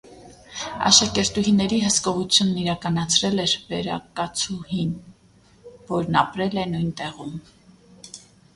Աշակերտուհիների հսկողությունն իրականացրել էր վերակացուհին, որն ապրել է նույն տեղում։